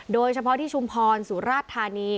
โดยเฉพาะที่ชุมพรสุราชธานี